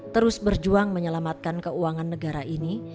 terus berjuang menyelamatkan keuangan negara ini